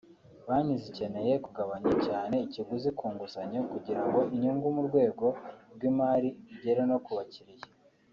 Banki zikeneye kugabanya cyane ikiguzi ku nguzanyo kugirango inyungu mu rwego rw’imari igere no ku bakiriya